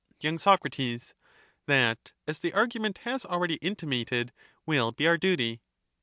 sdeniific. y. Sac. That, as the argument has already intimated, will be our duty.